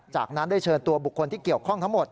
จากนั้นได้เชิญตัวบุคคลที่เกี่ยวข้องทั้งหมด